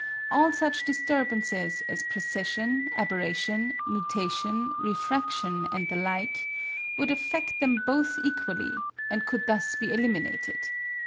All such disturbances as precession, aberration, nutation, refraction, and the like, would affect them both equally, and could thus be eliminated.